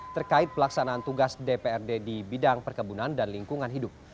terkait pelaksanaan tugas dprd di bidang perkebunan dan lingkungan hidup